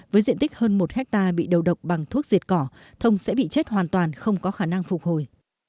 với diện tích hơn một hectare bị đầu độc bằng thuốc diệt cỏ thông sẽ bị chết hoàn toàn không có khả năng phục hồi